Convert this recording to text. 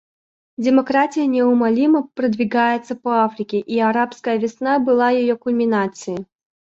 Демократия неумолимо продвигается по Африке, и «арабская весна» была ее кульминацией.